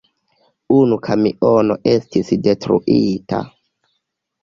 Unu kamiono estis detruita.